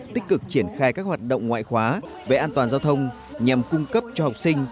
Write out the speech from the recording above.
tích cực triển khai các hoạt động ngoại khóa về an toàn giao thông nhằm cung cấp cho học sinh